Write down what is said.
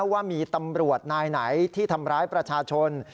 ว่ามีตำรวจนายไหนที่ทำร้ายประชาชน